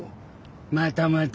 またまた。